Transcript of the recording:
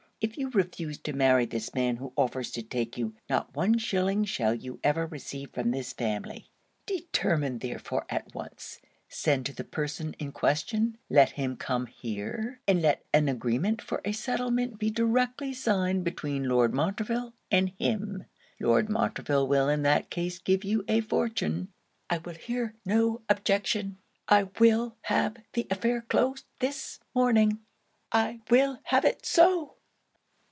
If you refuse to marry this man who offers to take you, not one shilling shall you ever receive from this family; determine therefore at once; send to the person in question; let him come here, and let an agreement for a settlement be directly signed between Lord Montreville and him. Lord Montreville will in that case give you a fortune. I will hear no objection! I will have the affair closed this morning! I will have it so!'